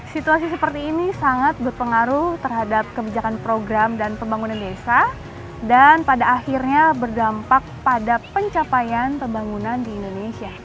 situasi seperti ini sangat berpengaruh terhadap kebijakan program dan pembangunan desa dan pada akhirnya berdampak pada pencapaian pembangunan di indonesia